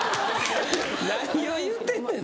何を言うてんねん。